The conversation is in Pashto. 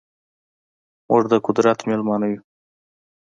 موږ ده قدرت میلمانه یو